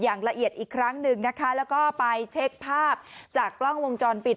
อย่างละเอียดอีกครั้งหนึ่งนะคะแล้วก็ไปเช็คภาพจากกล้องวงจรปิด